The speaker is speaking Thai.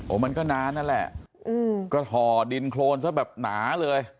มันก็นานนั่นแหละก็ห่อดินโครนซะแบบหนาเลย